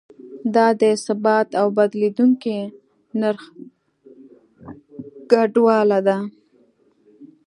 دا د ثابت او بدلیدونکي نرخ ګډوله ده.